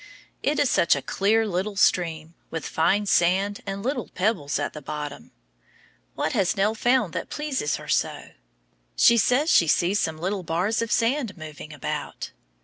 It is such a clear little stream, with fine sand and little pebbles at the bottom. What has Nell found that pleases her so? She says she sees some little bars of sand moving about.